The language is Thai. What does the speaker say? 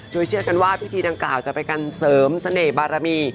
โดยเชื่อกันว่าพิธีดังกล่าวจะเป็นการเสริมเสน่ห์บารมี